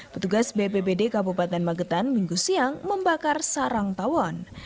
petugas bpbd kabupaten magetan minggu siang membakar sarang tawon